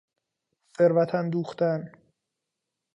ثروت اندوختن